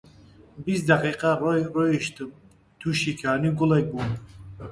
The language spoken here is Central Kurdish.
بیست دەقیقە ڕێ ڕۆیشتم، تووشی کانی و گۆلێک بوو